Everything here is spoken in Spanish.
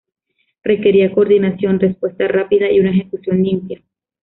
Requería coordinación, respuesta rápida, y una ejecución limpia.